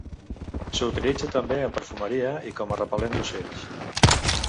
S'utilitza també en perfumeria i com a repel·lent d'ocells.